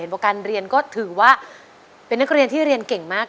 เพราะการเรียนก็ถือว่าเป็นนักเรียนที่เรียนเก่งมาก